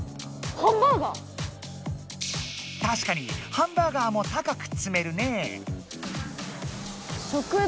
たしかにハンバーガーも高くつめるねぇ。